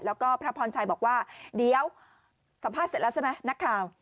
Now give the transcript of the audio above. แล้วก็พระพรชัยบอกว่าเดี๋ยวสัมภาษณ์เสร็จแล้วใช่ไหมนักข่าว